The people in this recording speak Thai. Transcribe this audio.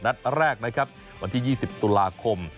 นัดแรกนะครับวันที่๒๐ตุลาคม